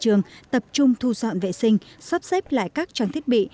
trường tập trung thu dọn vệ sinh sắp xếp lại các trang thiết bị